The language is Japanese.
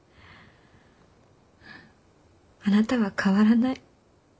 あなたは変わらない。